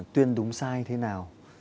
tuyên đúng sai thế nào